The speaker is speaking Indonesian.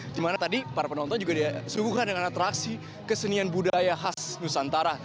dimana tadi para penonton juga disuguhkan dengan atraksi kesenian budaya khas nusantara